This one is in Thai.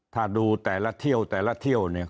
ถ้าดูแต่ละเที่ยวแต่ละเที่ยวเนี่ย